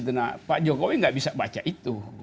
soalnya di situ pak jokowi nggak bisa baca itu